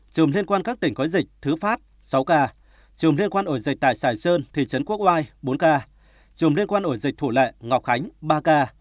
trường liên quan các tỉnh có dịch thứ phát sáu ca trường liên quan ổ dịch tài sải sơn thị trấn quốc oai bốn ca trường liên quan ổ dịch thủ lệ ngọc khánh ba ca